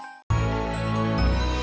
bapak lu di sini